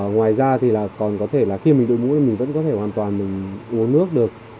ngoài ra thì là còn có thể là khi mình đội mũ thì mình vẫn có thể hoàn toàn mình uống nước được